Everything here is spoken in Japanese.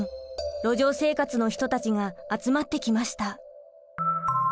路上生活の人たちが集まってきました。